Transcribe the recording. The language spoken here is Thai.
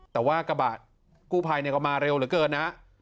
แต่ว่ากระบะกู้ภัยก็มาเร็วเหลือเกินนะ